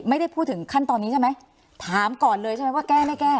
ไม่ได้พูดถึงขั้นตอนนี้ใช่ไหมถามก่อนเลยใช่ไหมว่าแก้ไม่แก้